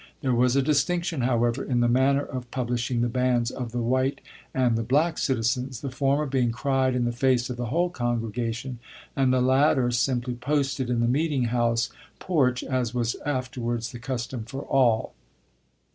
There was a distinction, however, in the manner of "publishing the banns" of the white and the black citizens; the former being "cried" in the face of the whole congregation, and the latter simply "posted" in the meeting house porch, as was afterwards the custom for all.